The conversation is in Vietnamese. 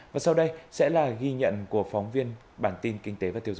và sau đây sẽ là ghi nhận của phóng viên bản tin kinh tế và tiêu dùng